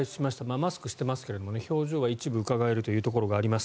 マスクしていますが、表情は一部うかがえるところがあります。